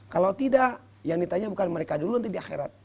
kalau tidak yang ditanya bukan mereka dulu nanti di akhirat